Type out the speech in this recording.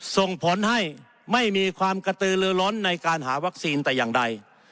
ส่งผลให้ไม่มีความกระตือลือร้อนในการหาวัคซีนแต่อย่างใด